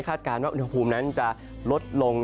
คาดการณ์ว่าอุดหปุ่มนั้นจะลดลง